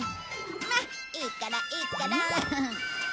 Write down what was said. まっいいからいいから。